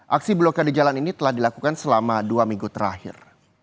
aksi blokade jalan ini telah dilakukan selama dua minggu terakhir